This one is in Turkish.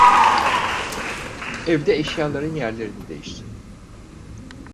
Evde eşyaların yerlerini değiştirdim.